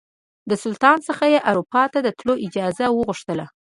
د سلطان څخه یې اروپا ته د تللو اجازه وغوښتله.